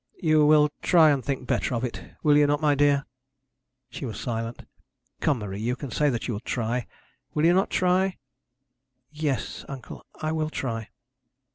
'You will try and think better of it; will you not, my dear?' She was silent. 'Come, Marie, you can say that you will try. Will you not try?' 'Yes, uncle, I will try.'